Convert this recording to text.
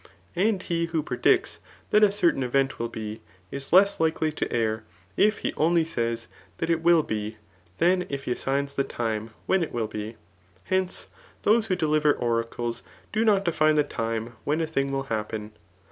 And he who pre dicts that a certain event will be, is less likely to err, if he only says that it will be, than if he assigns the time when it will be« Hence, those who deliver oracles, do not define the time when a thing will happen.